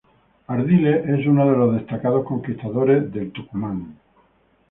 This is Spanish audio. Ardiles es uno de los destacados conquistadores del Tucumán.